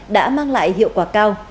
đã mang lại hiệu quả cao